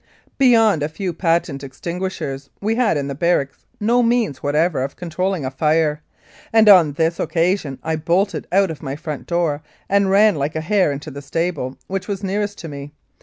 " Beyond a few patent extinguishers, we had in the barracks no means whatever of controlling a fire, and on this occasion I bolted out of my front door and ran like a hare into the stable which was nearest to me.